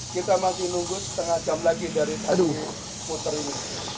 kita masih nunggu setengah jam lagi dari puter ini